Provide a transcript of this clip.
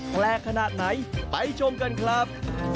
แปลกขนาดไหนไปชมกันครับ